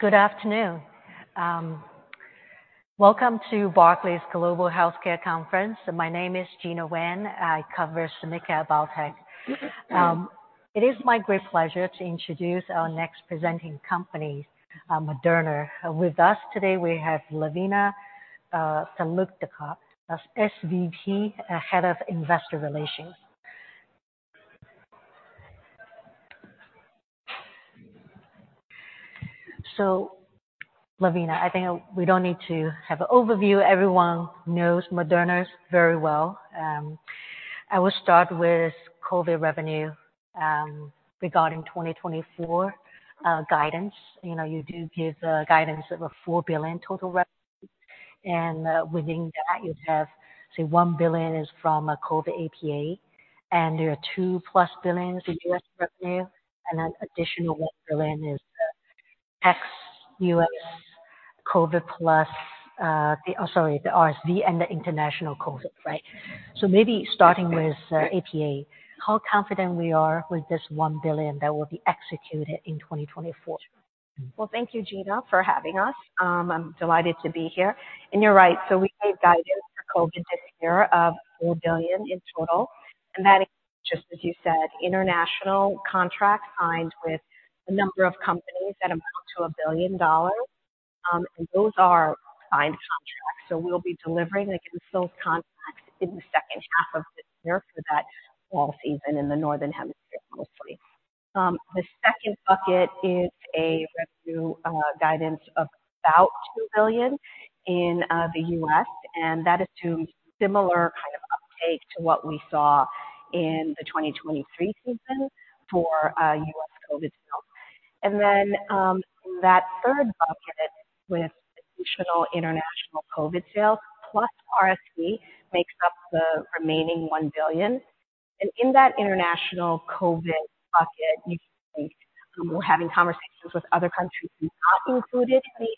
Good afternoon. Welcome to Barclays Global Healthcare Conference. My name is Gena Wang. I cover biotech. It is my great pleasure to introduce our next presenting company, Moderna. With us today, we have Lavina Talukdar, as SVP, Head of Investor Relations. So Lavina, I think we don't need to have an overview. Everyone knows Moderna very well. I will start with COVID revenue, regarding 2024 guidance. You know, you do give a guidance of $4 billion total revenue, and within that, you have, say, $1 billion is from a COVID APA, and there are $2+ billion in U.S. revenue, and an additional $1 billion is ex-U.S. COVID plus the RSV and the international COVID, right? Maybe starting with APA, how confident we are with this $1 billion that will be executed in 2024? Well, thank you, Gena, for having us. I'm delighted to be here. And you're right, so we gave guidance for COVID this year of $4 billion in total, and that includes, just as you said, international contracts signed with a number of companies that amount to $1 billion. And those are signed contracts, so we'll be delivering against those contracts in the second half of this year for that fall season in the Northern Hemisphere, mostly. The second bucket is a revenue guidance of about $2 billion in the US, and that is to similar kind of uptake to what we saw in the 2023 season for US COVID sales. And then, that third bucket with additional international COVID sales plus RSV makes up the remaining $1 billion. And in that international COVID bucket, you see, we're having conversations with other countries not included in the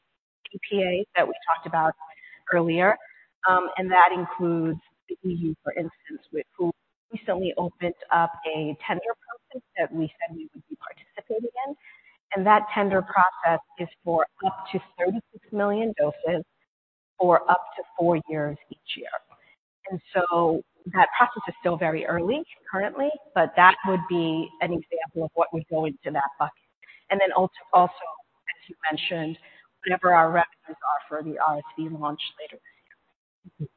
APA that we talked about earlier. And that includes the EU, for instance, with who recently opened up a tender process that we said we would be participating in. And that tender process is for up to 36 million doses for up to 4 years each year. And so that process is still very early currently, but that would be an example of what would go into that bucket. And then also, as you mentioned, whatever our revenues are for the RSV launch later this year.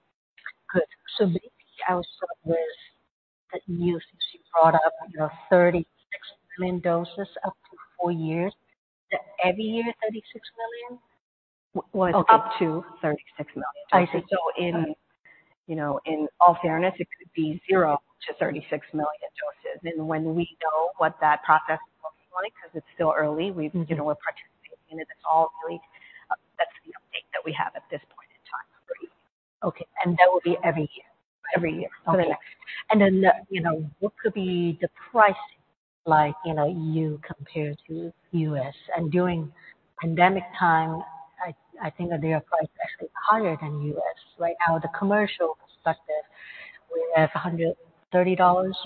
Good. So maybe I'll start with the EU, since you brought up, you know, 36 million doses up to four years. Is that every year, 36 million? Well, up to 36 million. I see. So, you know, in all fairness, it could be 0-36 million doses. And when we know what that process looks like, 'cause it's still early, we've, you know, we're participating in it, it's all early. That's the update that we have at this point in time. Okay, and that will be every year? Every year. Okay. You know, what could be the pricing like in the EU compared to the U.S.? During pandemic time, I think that their price is actually higher than the U.S., right? From the commercial perspective, we have $130,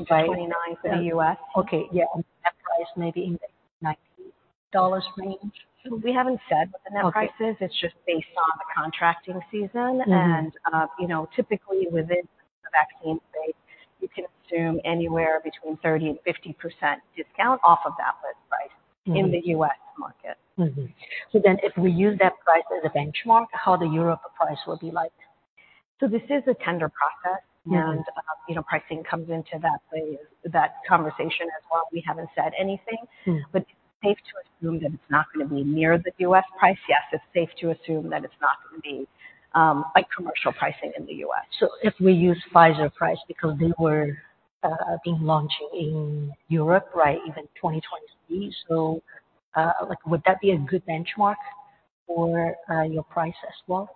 right? 29 for the U.S. Okay, yeah, and net price maybe in the $90 range. We haven't said what the net price is. Okay. It's just based on the contracting season. Mm-hmm. You know, typically, within the vaccine space, you can assume anywhere between 30%-50% discount off of that list price- Mm-hmm. -in the U.S. market. Mm-hmm. So then if we use that price as a benchmark, how the Europe price will be like? So this is a tender process. Mm-hmm. You know, pricing comes into that play, that conversation as well. We haven't said anything. Mm. But it's safe to assume that it's not gonna be near the U.S. price. Yes, it's safe to assume that it's not gonna be, like commercial pricing in the U.S. So if we use Pfizer price, because they were being launched in Europe, right, even 2023. So, like, would that be a good benchmark for your price as well?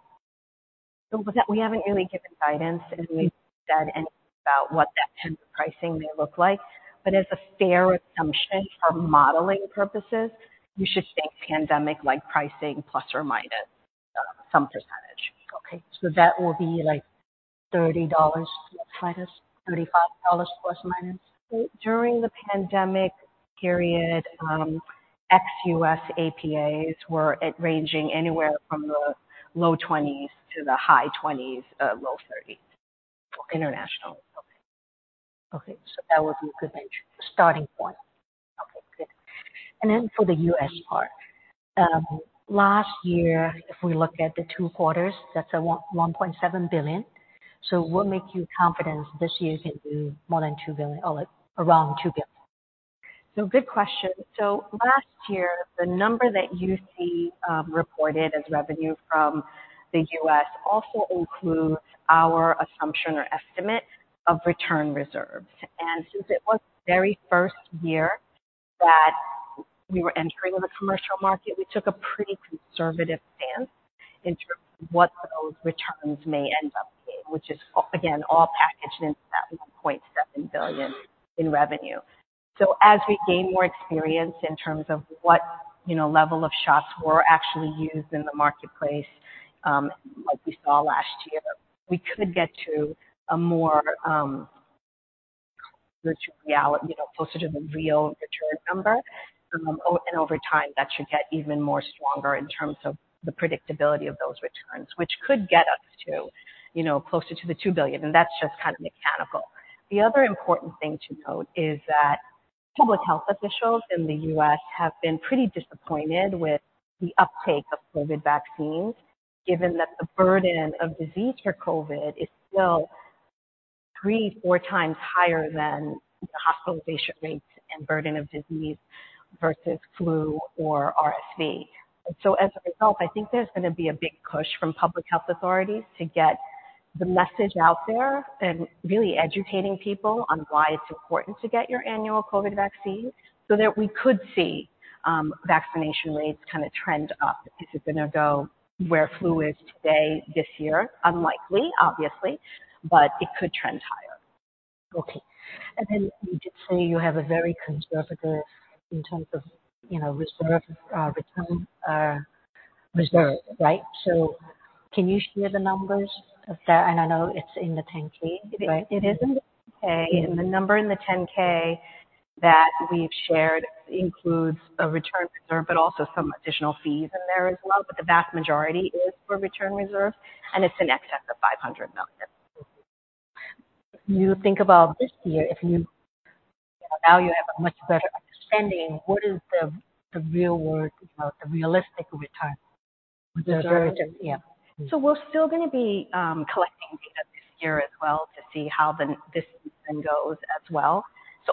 With that, we haven't really given guidance, and we've said anything about what that tender pricing may look like. But as a fair assumption for modeling purposes, you should think pandemic-like pricing, plus or minus, some percentage. Okay. So that will be like $30, plus, minus $35, plus or minus? During the pandemic period, ex-US APAs were ranging anywhere from the low $20s to the high $20s, low $30s. International. Okay. Okay, so that would be a good benchmark starting point. Okay, good. And then for the US part, last year, if we look at the 2Q, that's $1.7 billion. So what makes you confident this year is going to do more than $2 billion or around $2 billion? So good question. So last year, the number that you see, reported as revenue from the US also includes our assumption or estimate of return reserves. And since it was the very first year that we were entering the commercial market, we took a pretty conservative stance in terms of what those returns may end up being, which is, again, all packaged into that $1.7 billion in revenue. So as we gain more experience in terms of what, you know, level of shots were actually used in the marketplace, like we saw last year, we could get to a more, which reality, you know, closer to the real return number. And over time, that should get even more stronger in terms of the predictability of those returns, which could get us to, you know, closer to the $2 billion, and that's just kind of mechanical. The other important thing to note is that public health officials in the U.S. have been pretty disappointed with the uptake of COVID vaccines, given that the burden of disease for COVID is still 3-4 times higher than the hospital patient rates and burden of disease versus flu or RSV. And so, as a result, I think there's gonna be a big push from public health authorities to get the message out there and really educating people on why it's important to get your annual COVID vaccine so that we could see vaccination rates kind of trend up. Is it gonna go where flu is today, this year? Unlikely, obviously, but it could trend higher. Okay. And then you did say you have a very conservative in terms of, you know, reserve, return, reserve, right? So can you share the numbers of that? And I know it's in the 10-K, right? It is in the 10-K, and the number in the 10-K that we've shared includes a return reserve, but also some additional fees in there as well. But the vast majority is for return reserve, and it's in excess of $500 million. You think about this year. If you now have a much better understanding, what is the real world, you know, the realistic return? The reserve. Yeah. So we're still gonna be collecting data this year as well to see how this season goes as well.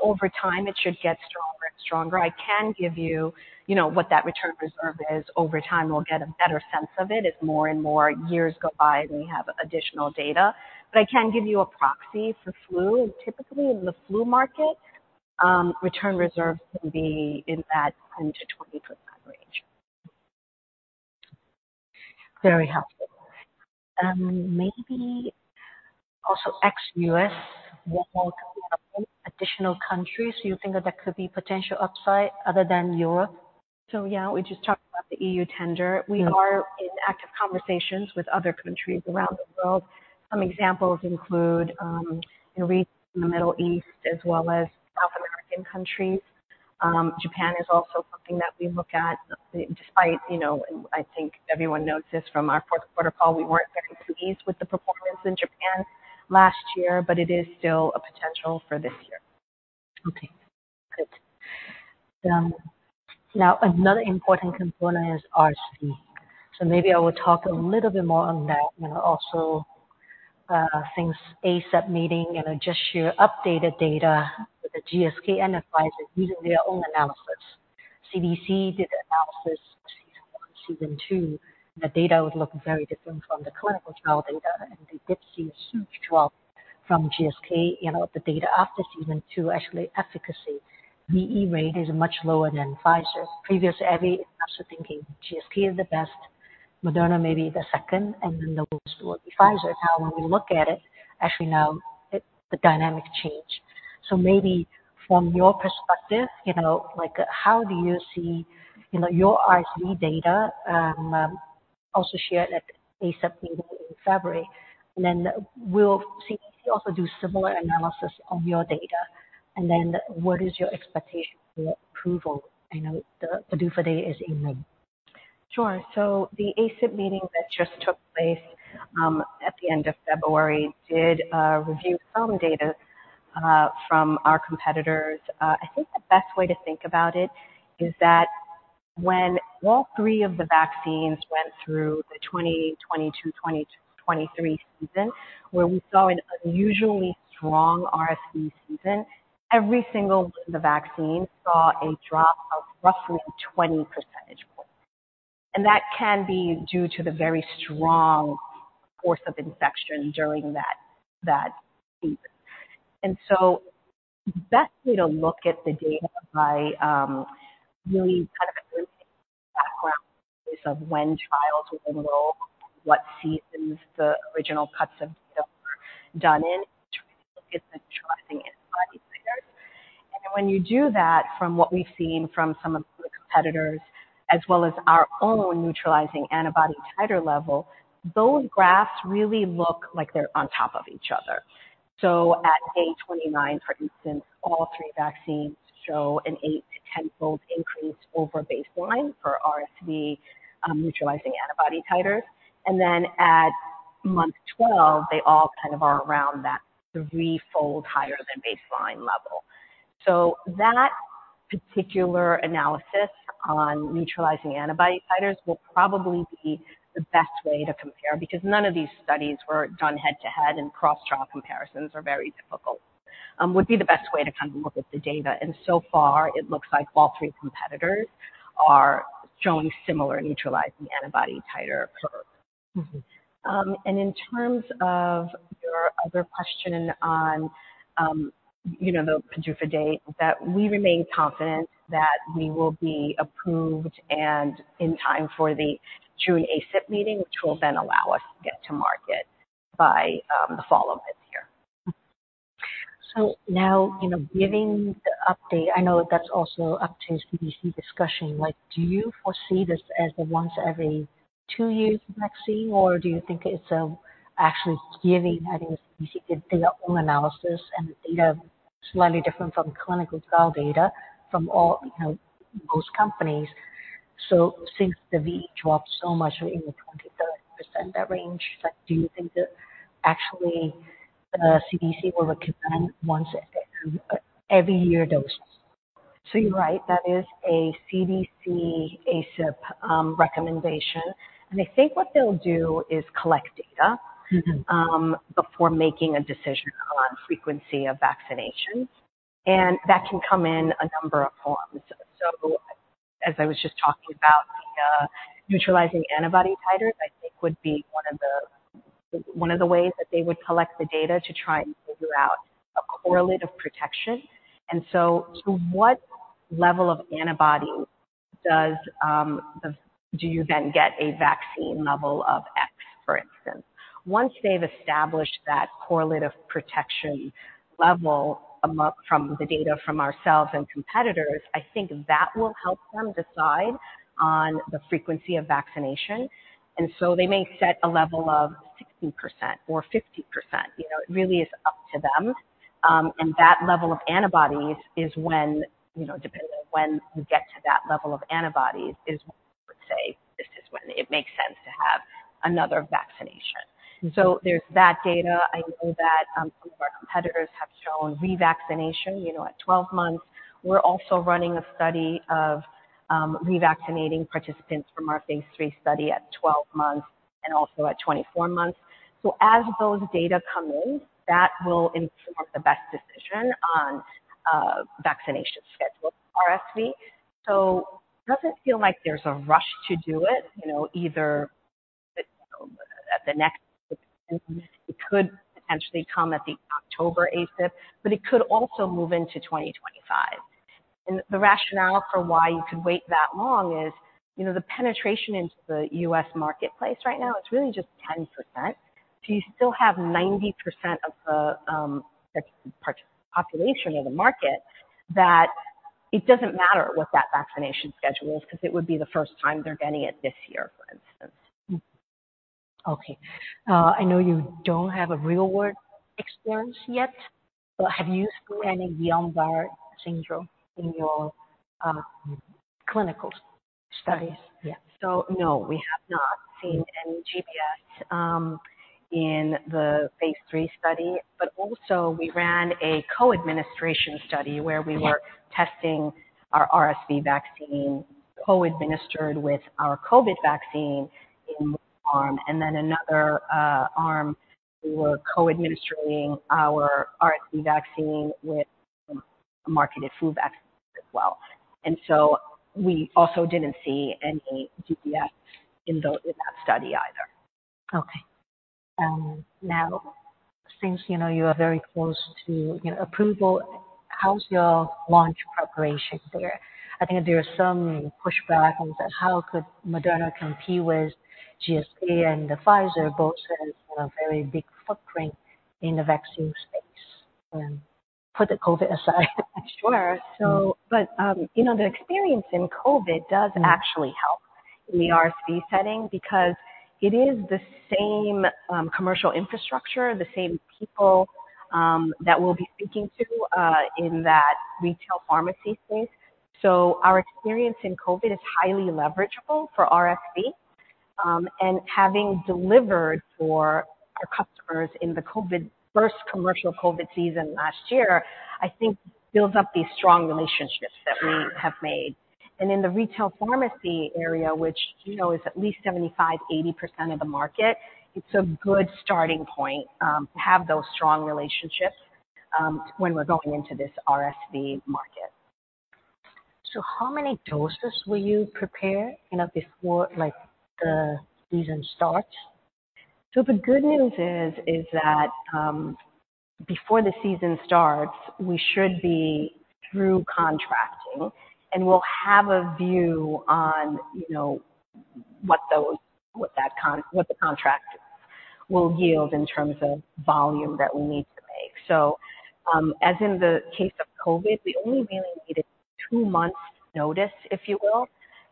Over time, it should get stronger and stronger. I can give you, you know, what that return reserve is. Over time, we'll get a better sense of it as more and more years go by, and we have additional data. But I can give you a proxy for flu, and typically in the flu market, return reserves can be in that 10%-20% range. Very helpful. Maybe also ex-US, what additional countries do you think that there could be potential upside other than Europe? Yeah, we just talked about the EU tender. Yes. We are in active conversations with other countries around the world. Some examples include, you know, regions in the Middle East as well as South American countries. Japan is also something that we look at, despite, you know, I think everyone knows this from our Q4 call, we weren't very pleased with the performance in Japan last year, but it is still a potential for this year. Okay, good. Now another important component is RSV. So maybe I will talk a little bit more on that, you know, also, since ACIP meeting, and I just share updated data with the GSK and Pfizer using their own analysis. CDC did analysis season one, season two, the data would look very different from the clinical trial data, and they did see smooth trial from GSK, you know, the data after season two, actually efficacy, VE rate is much lower than Pfizer's. Previous, every also thinking GSK is the best, Moderna may be the second, and then the lowest will be Pfizer. Now, when we look at it, actually now the dynamic change. So maybe from your perspective, you know, like how do you see, you know, your RSV data, also shared at ACIP meeting in February? Will CDC also do similar analysis on your data? What is your expectation for approval? I know the PDUFA date is in May. Sure. So the ACIP meeting that just took place, at the end of February, did review some data from our competitors. I think the best way to think about it is that when all three of the vaccines went through the 2022-2023 season, where we saw an unusually strong RSV season, every single the vaccine saw a drop of roughly 20 percentage points. And that can be due to the very strong force of infection during that season. And so the best way to look at the data by, really kind of background is of when trials were enrolled, what seasons the original cuts of data were done in, is the neutralizing antibody titers. And when you do that, from what we've seen from some of the competitors, as well as our own neutralizing antibody titer level, those graphs really look like they're on top of each other. So at day 29, for instance, all three vaccines show an 8- to 10-fold increase over baseline for RSV neutralizing antibody titers. And then at month 12, they all kind of are around that 3-fold higher than baseline level. So that particular analysis on neutralizing antibody titers will probably be the best way to compare, because none of these studies were done head-to-head, and cross-trial comparisons are very difficult, would be the best way to kind of look at the data. And so far, it looks like all three competitors are showing similar neutralizing antibody titer curves. Mm-hmm. In terms of your other question on, you know, the PDUFA date, that we remain confident that we will be approved and in time for the June ACIP meeting, which will then allow us to get to market by the fall of this year. So now, you know, giving the update, I know that's also up to CDC discussion. Like, do you foresee this as a once every two years vaccine, or do you think it's actually giving, I think the CDC did their own analysis, and the data slightly different from clinical trial data from all, you know, most companies. So since the VE dropped so much in the 23% range, like, do you think that actually CDC will recommend once a every year dosage? So you're right, that is a CDC ACIP recommendation. And I think what they'll do is collect data- Mm-hmm. Before making a decision on frequency of vaccinations, and that can come in a number of forms. So as I was just talking about, the neutralizing antibody titers, I think would be one of the ways that they would collect the data to try and figure out a correlate of protection. And so to what level of antibody does, do you then get a vaccine level of X, for instance? Once they've established that correlate of protection level from the data from ourselves and competitors, I think that will help them decide on the frequency of vaccination. And so they may set a level of 60% or 50%. You know, it really is up to them. And that level of antibodies is when, you know, depending on when you get to that level of antibodies, I would say this is when it makes sense to have another vaccination. Mm-hmm. So there's that data. I know that, some of our competitors have shown revaccination, you know, at 12 months. We're also running a study of, revaccinating participants from our phase 3 study at 12 months, and also at 24 months. So as those data come in, that will inform the best decision on, vaccination schedule RSV. So it doesn't feel like there's a rush to do it, you know, either at the next it could potentially come at the October ACIP, but it could also move into 2025. And the rationale for why you could wait that long is, you know, the penetration into the U.S. marketplace right now, it's really just 10%. So you still have 90% of the partial population or the market, that it doesn't matter what that vaccination schedule is, because it would be the first time they're getting it this year, for instance. Okay. I know you don't have a real world experience yet, but have you seen any Guillain-Barré syndrome in your clinical studies? Yeah. So no, we have not seen any GBS in the phase 3 study. But also, we ran a co-administration study where we were testing our RSV vaccine, co-administered with our COVID vaccine in one arm, and then another arm, we were co-administering our RSV vaccine with a marketed flu vaccine as well. And so we also didn't see any GBS in that study either. Okay. Now, since you know you are very close to, you know, approval, how's your launch preparation there? I think there is some pushback on how could Moderna compete with GSK and Pfizer both has a very big footprint in the vaccine space, put the COVID aside? Sure. So but, you know, the experience in COVID does actually help in the RSV setting, because it is the same, commercial infrastructure, the same people, that we'll be speaking to, in that retail pharmacy space. So our experience in COVID is highly leverageable for RSV. And having delivered for our customers in the COVID, first commercial COVID season last year, I think builds up these strong relationships that we have made. And in the retail pharmacy area, which, you know, is at least 75%-80% of the market, it's a good starting point, to have those strong relationships, when we're going into this RSV market. How many doses will you prepare, you know, before, like, the season starts? So the good news is that before the season starts, we should be through contracting, and we'll have a view on, you know, what the contract will yield in terms of volume that we need to make. So, as in the case of COVID, we only really needed two months' notice, if you will,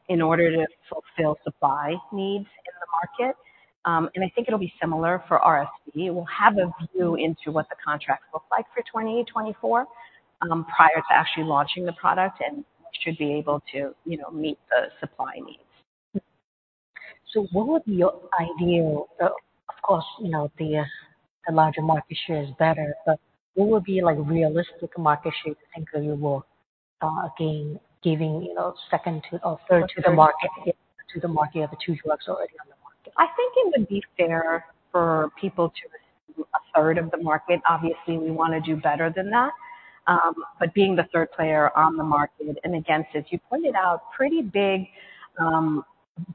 in order to fulfill supply needs in the market. And I think it'll be similar for RSV. We'll have a view into what the contracts look like for 2024, prior to actually launching the product, and we should be able to, you know, meet the supply needs. So what would be your ideal? Of course, you know, the larger market share is better, but what would be like realistic market share you think you will gain, given, you know, second to or third to the market, to the market of the two drugs already on the market? I think it would be fair for people to assume a third of the market. Obviously, we wanna do better than that, but being the third player on the market, and again, as you pointed out, pretty big,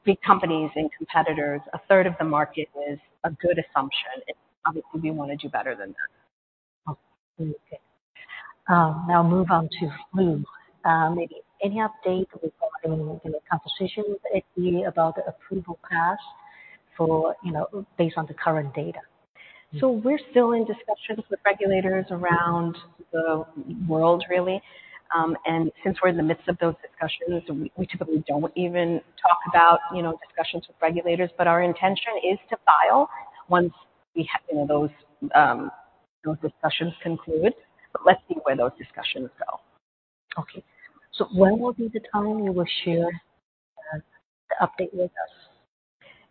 big companies and competitors, a third of the market is a good assumption. Obviously, we wanna do better than that. Okay. Now move on to flu. Maybe any update before any, any conversations, maybe about the approval path for, you know, based on the current data?... So we're still in discussions with regulators around the world, really. And since we're in the midst of those discussions, we typically don't even talk about, you know, discussions with regulators, but our intention is to file once we have, you know, those discussions conclude. But let's see where those discussions go. Okay. So when will be the time you will share, the update with us?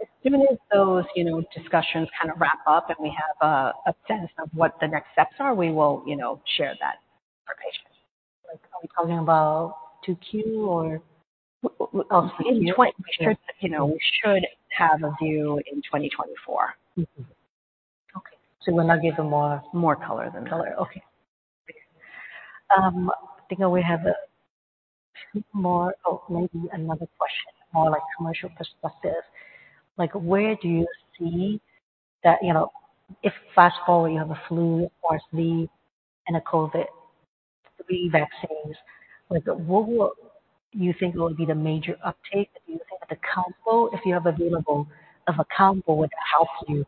As soon as those, you know, discussions kind of wrap up, and we have a sense of what the next steps are, we will, you know, share that information. Like, are we talking about 2Q or? In 2024, you know, we should have a view in 2024. Mm-hmm. Okay. So will not give more color than that. Okay. I think now we have another question, more like commercial perspective. Like, where do you see that, you know, if fast forward, you have a flu or RSV and a COVID, three vaccines, like, what would you think will be the major uptake? Do you think the combo, if you have available of a combo, would help you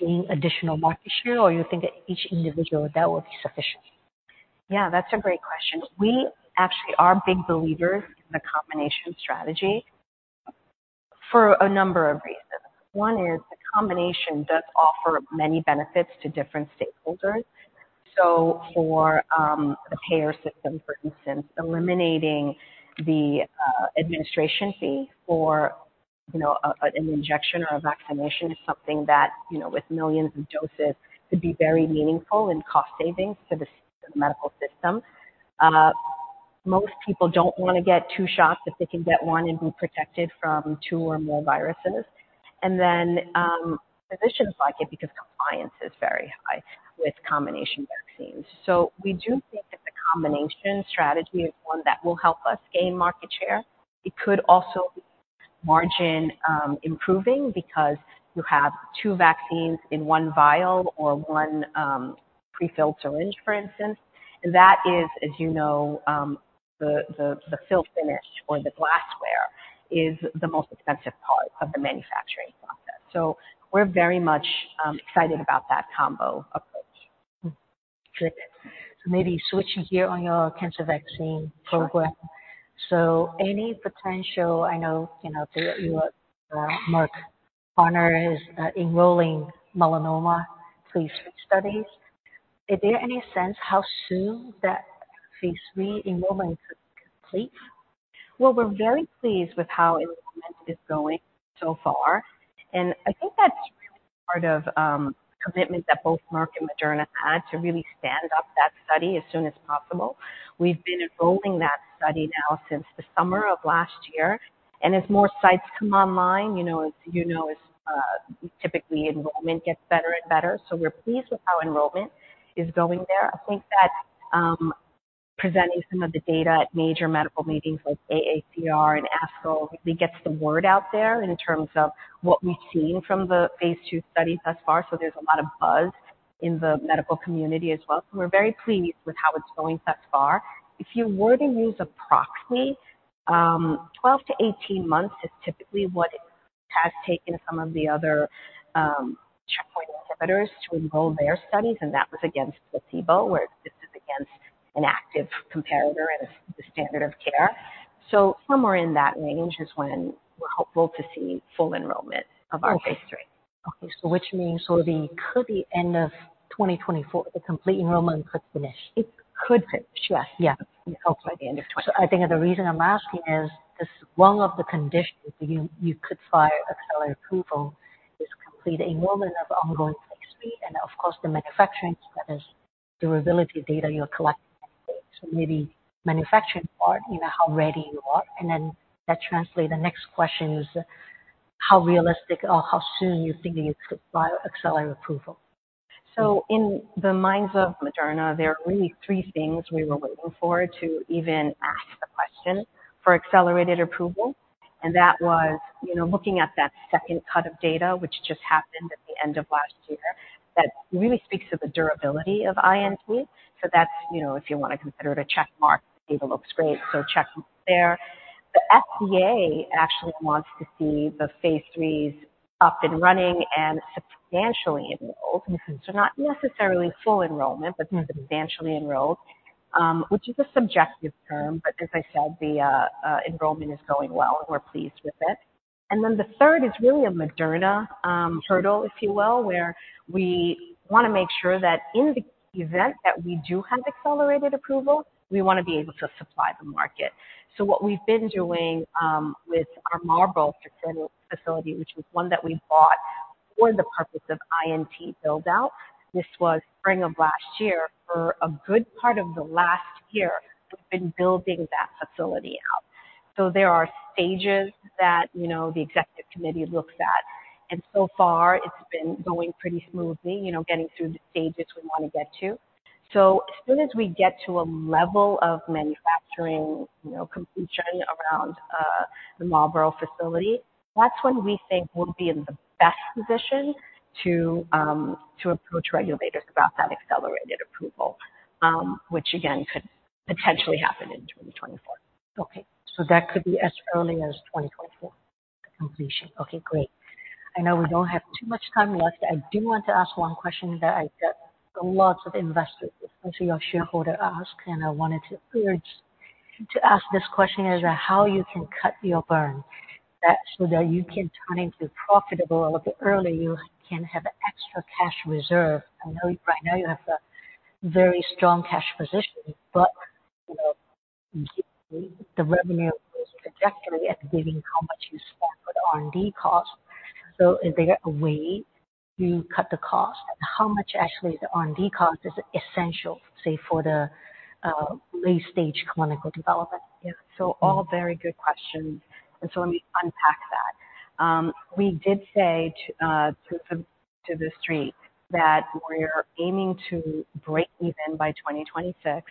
gain additional market share, or you think that each individual, that will be sufficient? Yeah, that's a great question. We actually are big believers in the combination strategy for a number of reasons. One is the combination does offer many benefits to different stakeholders. So for a payer system, for instance, eliminating the administration fee for you know an injection or a vaccination is something that you know with millions of doses could be very meaningful in cost savings for the medical system. Most people don't wanna get two shots if they can get one and be protected from two or more viruses. And then physicians like it because compliance is very high with combination vaccines. So we do think that the combination strategy is one that will help us gain market share. It could also be margin improving because you have two vaccines in one vial or one prefilled syringe for instance. And that is, as you know, the fill finish or the glassware is the most expensive part of the manufacturing process. So we're very much excited about that combo approach. Good. Maybe switching gear on your cancer vaccine program. Sure. So any potential, I know, you know, through your Merck partner, is enrolling melanoma phase III studies. Is there any sense how soon that phase III enrollment could complete? Well, we're very pleased with how enrollment is going so far, and I think that's part of commitment that both Merck and Moderna had to really stand up that study as soon as possible. We've been enrolling that study now since the summer of last year, and as more sites come online, you know, typically enrollment gets better and better. So we're pleased with how enrollment is going there. I think that presenting some of the data at major medical meetings like AACR and ASCO really gets the word out there in terms of what we've seen from the phase II studies thus far. So there's a lot of buzz in the medical community as well. So we're very pleased with how it's going thus far. If you were to use a proxy, 12-18 months is typically what it has taken some of the other checkpoint inhibitors to enroll their studies, and that was against placebo, where this is against an active comparator and the standard of care. So somewhere in that range is when we're hopeful to see full enrollment of our phase 3. Okay. So which means sort of the, could the end of 2024, the complete enrollment could finish? It could finish, yes. Yeah. Hopefully, the end of twenty- I think the reason I'm asking is, because one of the conditions you could file accelerated approval is complete enrollment of ongoing phase 3, and of course, the manufacturing status, durability data you're collecting. So maybe manufacturing part, you know, how ready you are, and then that translate. The next question is: How realistic or how soon you thinking you could file accelerated approval? So in the minds of Moderna, there are really three things we were waiting for to even ask the question for accelerated approval. And that was, you know, looking at that second cut of data, which just happened at the end of last year, that really speaks to the durability of INT. So that's, you know, if you wanna consider it a check mark, data looks great, so check there. The FDA actually wants to see the phase 3's up and running and substantially enrolled. Mm-hmm. Not necessarily full enrollment- Mm. but substantially enrolled, which is a subjective term, but as I said, the enrollment is going well, and we're pleased with it. And then the third is really a Moderna hurdle, if you will, where we wanna make sure that in the event that we do have accelerated approval, we wanna be able to supply the market. So what we've been doing with our Marlborough facility, which was one that we bought for the purpose of INT build-out, this was spring of last year. For a good part of the last year, we've been building that facility out. So there are stages that, you know, the executive committee looks at, and so far it's been going pretty smoothly, you know, getting through the stages we want to get to. As soon as we get to a level of manufacturing, you know, completion around the Marlborough facility, that's when we think we'll be in the best position to approach regulators about that accelerated approval, which again, could potentially happen in 2024.... Okay, so that could be as early as 2024 completion. Okay, great. I know we don't have too much time left. I do want to ask one question that I get lots of investors, especially our shareholder, ask, and I wanted to urge to ask this question, is that how you can cut your burn, so that you can turn into profitable a bit early, you can have extra cash reserve? I know right now you have a very strong cash position, but, you know, the revenue is trajectory at giving how much you spend for the R&D cost. So is there a way to cut the cost? And how much actually the R&D cost is essential, say, for the late stage clinical development? Yeah, so all very good questions, and so let me unpack that. We did say to, to the street that we're aiming to break even by 2026,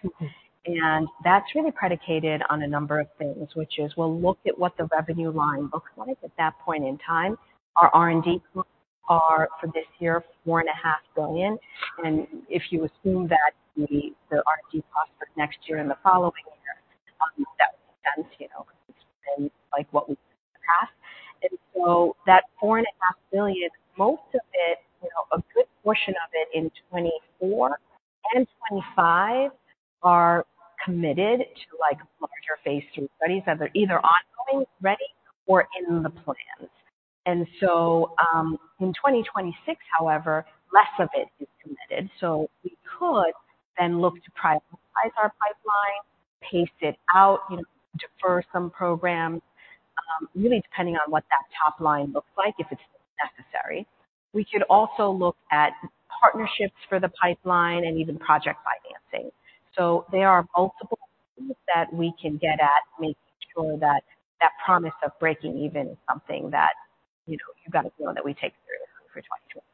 and that's really predicated on a number of things, which is we'll look at what the revenue line looks like at that point in time. Our R&D costs are, for this year, $4.5 billion. And if you assume that the R&D costs for next year and the following year, that makes sense, you know, and like what we've done in the past. And so that $4.5 billion, most of it, you know, a good portion of it in 2024 and 2025, are committed to like larger phase 3 studies that are either ongoing, ready, or in the plans. And so, in 2026, however, less of it is committed. So we could then look to prioritize our pipeline, pace it out, you know, defer some programs, really depending on what that top line looks like, if it's necessary. We could also look at partnerships for the pipeline and even project financing. So there are multiple that we can get at making sure that, that promise of breaking even is something that, you know, you've got to know that we take very seriously for 2026.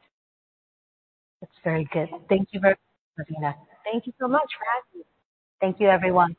That's very good. Thank you very much, Lavina. Thank you so much for having me. Thank you, everyone.